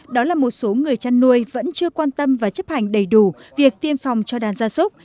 đó là một số người chăn nuôi vẫn chưa quan tâm và chấp hành đầy đủ việc tiêm phòng cho đàn gia súc